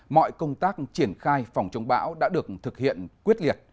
mọi công tác triển khai phòng chống bão đã được thực hiện quyết liệt